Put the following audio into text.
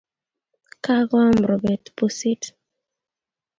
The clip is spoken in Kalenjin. Kagoam rubeet pusit